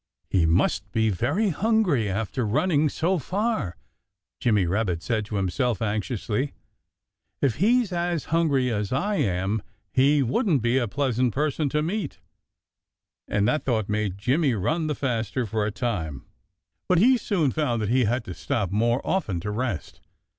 "He must be very hungry, after running so far," Jimmy Rabbit said to himself anxiously. "If he's as hungry as I am he wouldn't be a pleasant person to meet." And that thought made Jimmy run all the faster, for a time. But he soon found that he had to stop more often to rest.